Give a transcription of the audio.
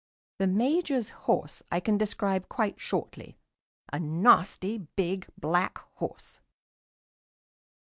The Major's horse I can describe quite shortly a nasty big black horse.